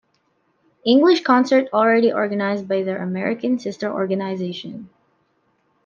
English concert already organised by their American sister organisation.